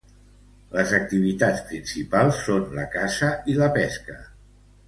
Les activitats principals són la caça i la pesca.